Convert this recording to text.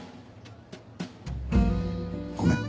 ごめん。